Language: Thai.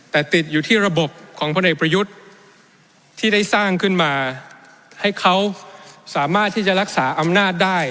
แต่ติดอยู่ที่ระบบของพลเอกประยุทธ์ที่ได้สร้างขึ้นมาให้เขาสามารถที่จะรักษาอำนาจได้